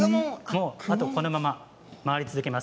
このまま回り続けます。